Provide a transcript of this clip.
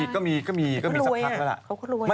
ก็มีก็มีสักพักแล้วล่ะ